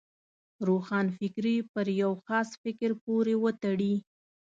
روښانفکري پر یو خاص فکر پورې وتړي.